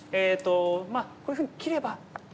まあこういうふうに切れば。